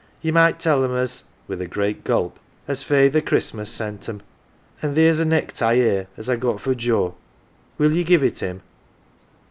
Ye might tell 'em as " with a great gulp "as Feyther Christmas sent 'em. An* theer's a necktie here as I got for Joe. Will ye give it him?"